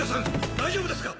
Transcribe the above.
大丈夫ですか？